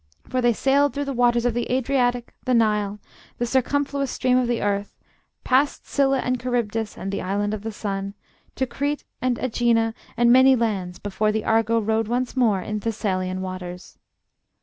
For they sailed through the waters of the Adriatic, the Nile, the circumfluous stream of the earth, passed Scylla and Charybdis and the Island of the Sun, to Crete and Ægina and many lands, before the Argo rode once more in Thessalian waters.